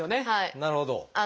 なるほど。